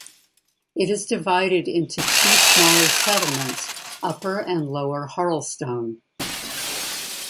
It is divided into two smaller settlements, Upper and Lower Harlestone.